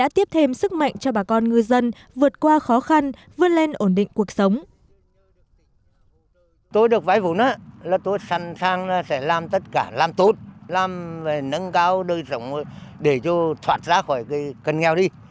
thêm sức mạnh cho bà con ngư dân vượt qua khó khăn vươn lên ổn định cuộc sống